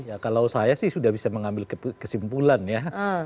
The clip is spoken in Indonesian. ya kalau saya sih sudah bisa mengambil kesimpulan ya